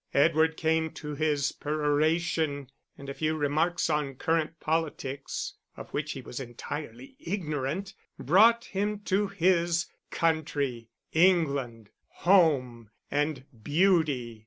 Edward came to his peroration, and a few remarks on current politics (of which he was entirely ignorant) brought him to his Country, England, Home and Beauty.